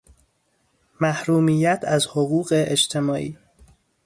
محرومیت از حقوق اجتماعی